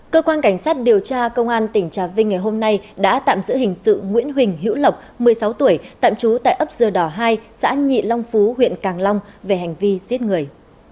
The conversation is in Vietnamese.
cơ quan cảnh sát điều tra công an tỉnh trà vinh ngày hôm nay đã tạm giữ hình sự nguyễn huỳnh hữu lộc một mươi sáu tuổi tạm trú tại ấp dơ đò hai xã nhị long phú huyện càng long về hành vi giết người